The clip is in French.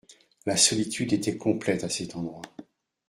La solitude était complète à cet endroit.